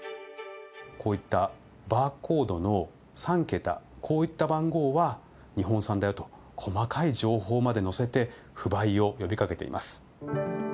こういったバーコードの３桁こういった番号は日本産だよと細かい情報まで載せて不買を呼びかけています。